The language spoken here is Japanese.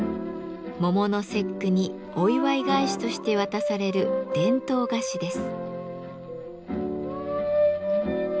桃の節句にお祝い返しとして渡される伝統菓子です。